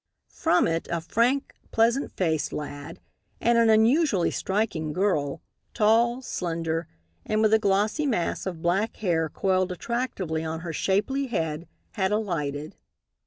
From it a frank, pleasant faced lad and an unusually striking girl, tall, slender and with a glossy mass of black hair coiled attractively on her shapely head, had alighted.